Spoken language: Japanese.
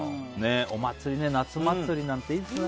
お祭りね夏祭りなんていいですね。